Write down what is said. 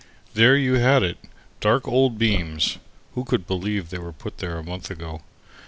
There you had it; dark old beams (who could believe they were put there a month ago?)